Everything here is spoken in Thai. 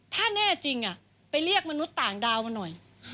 ถ้าแน่จริงไปเรียกมนุษย์ต่างดาวมาหน่อย